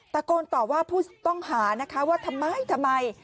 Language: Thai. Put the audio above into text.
ตะโกนตอบว่าผู้ต้องหานะคะว่าทำไมทำไม